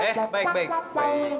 eh baik baik baik